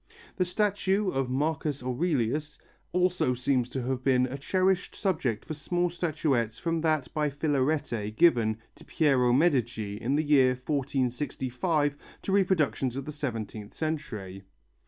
The statue of Marcus Aurelius also seems to have been a cherished subject for small statuettes from that by Filarete given to Piero Medici in the year 1465 to reproductions of the seventeenth century.